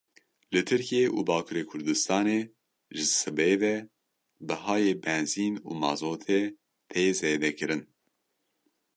Li Tirkiye û Bakurê Kurdistanê ji sibê ve bihayê benzîn û mazotê tê zêdekirin.